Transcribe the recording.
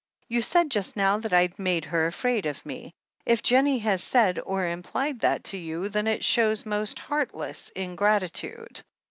You said just now that I'd made her afraid of me. If Jennie has said or implied that to you, then it shows most heartless ingratitude.